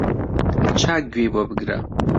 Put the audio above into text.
چاک گوێی بۆ بگرە